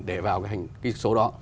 để vào cái số đó